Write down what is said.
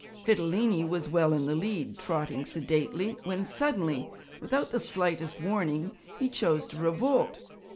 Fidilini was well in the lead, trotting sedately, when suddenly, without the slightest warning, he chose to revolt.